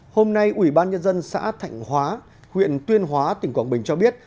hôm nay ủy ban nhân dân xã thạnh hóa huyện tuyên hóa tỉnh quảng bình cho biết